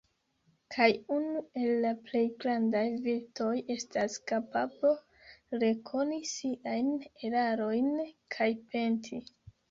Kaj unu el la plej grandaj virtoj estas kapablo rekoni siajn erarojn kaj penti.